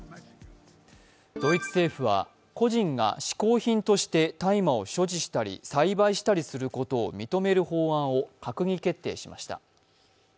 ドイツ政府は個人がしこう品として大麻を所持したり栽培したりすることを認める法案を閣議決定しました。